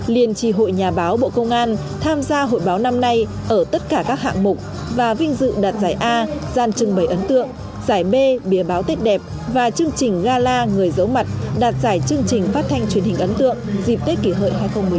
liên tri hội nhà báo bộ công an tham gia hội báo năm nay ở tất cả các hạng mục và vinh dự đạt giải a gian trưng bày ấn tượng giải b bìa báo tết đẹp và chương trình gala người giấu mặt đạt giải chương trình phát thanh truyền hình ấn tượng dịp tết kỷ hợi hai nghìn một mươi chín